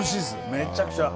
めちゃくちゃ。